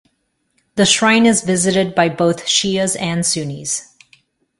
The shrine is visited by both Shias and Sunnis.